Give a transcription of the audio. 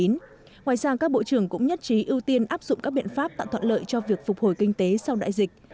ngoài ra các bộ trưởng cũng nhất trí ưu tiên áp dụng các biện pháp tặng thuận lợi cho việc phục hồi kinh tế sau đại dịch